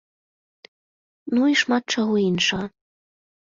Ну і шмат чаго іншага.